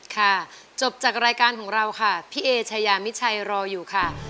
ค่ะจบจากรายการของเราค่ะพี่เอชายามิชัยรออยู่ค่ะ